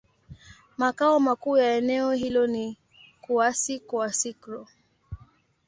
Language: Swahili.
Makao makuu ya eneo hilo ni Kouassi-Kouassikro.